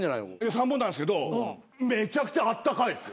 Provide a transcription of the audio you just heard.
３本なんすけどめちゃくちゃあったかいんす。